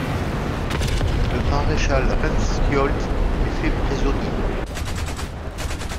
Le maréchal Rehnskiöld est fait prisonnier.